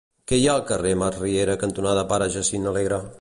Què hi ha al carrer Masriera cantonada Pare Jacint Alegre?